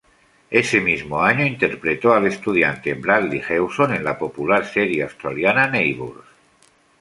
Ese mismo año interpretó al estudiante Bradley Hewson en la popular serie australiana Neighbours.